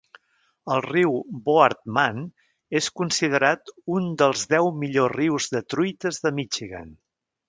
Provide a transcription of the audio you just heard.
El riu Boardman és considerat un dels deu millors rius de truites de Michigan.